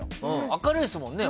明るいですもんね